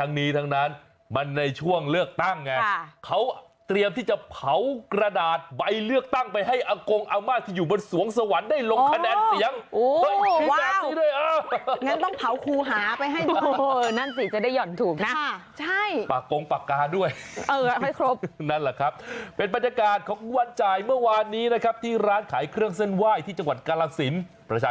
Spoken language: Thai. ต้องถามกรงอำมาตย์ว่าอยากได้คุณไปอยู่เป็นเพื่อนหรือเปล่า